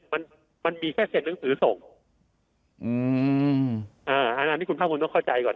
มันมันมีแค่เซ็นหนังสือส่งอืมอ่าอันนี้คุณภาคภูมิต้องเข้าใจก่อน